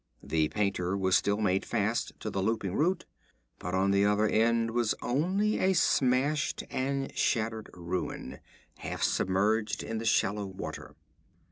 The painter was still made fast to the looping root. But at the other end was only a smashed and shattered ruin, half submerged in the shallow water.